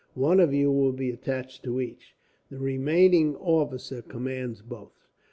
One of you will be attached to each. The remaining officer commands both."